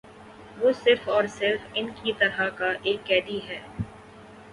وہ صرف اور صرف ان کی طرح کا ایک قیدی ہے ا